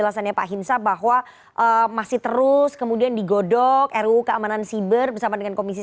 penjelasannya pak hinsa bahwa masih terus kemudian digodok ruu keamanan siber bersama dengan komisi tiga